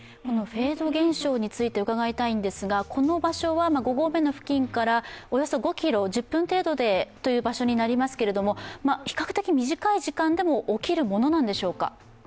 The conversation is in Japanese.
フェード現象について伺いたいんですが、この場所は五合目の付近からおよそ５ｋｍ１０分程度となりますけど比較的短い時間でも起きるものなのでしょうか？